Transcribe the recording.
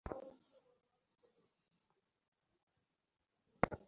দাদা, মুক্তি নাই বা হল, দু-চার বার নরককুণ্ডে গেলেই বা।